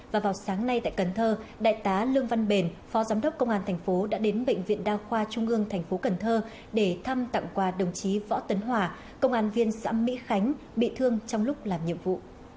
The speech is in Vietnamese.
và vào sáng nay tại cần thơ đại tá lương văn bền phó giám đốc công an thành phố đã đến bệnh viện đa khoa trung ương thành phố cần thơ để thăm tặng quà đồng chí võ tấn hòa công an viên xã mỹ khánh bị thương trong lúc làm nhiệm vụ